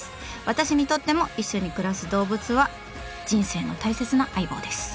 私にとっても一緒に暮らす動物は人生の大切な相棒です。